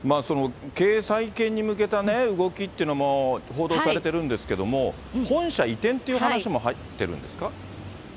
経営再建に向けた動きというのも報道されてるんですけども、本社移転という話も入っているんですか。